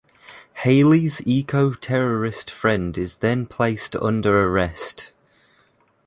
Hayley's eco-terrorist friend is then placed under arrest.